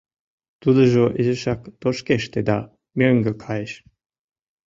Тудыжо изишак тошкеште да мӧҥгӧ кайыш.